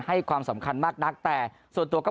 ความสำคัญมากนักแต่ส่วนตัวก็